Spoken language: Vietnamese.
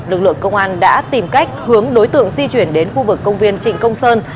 lực lượng công an đã tìm cách hướng đối tượng di chuyển đến khu vực công viên trịnh công sơn